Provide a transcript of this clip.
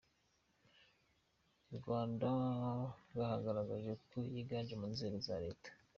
I Rwanda bwagaragaje ko yiganje mu nzego za Leta.